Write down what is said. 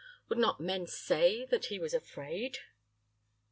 Would not men say that he was afraid?"